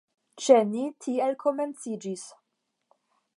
Ĉe ni tiel komenciĝis.